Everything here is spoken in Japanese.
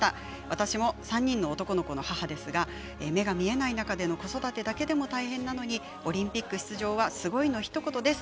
私も３人の男の子の母ですが目が見えない中での子育てだけでも大変なのにパラリンピック出場はすごいのひと言です。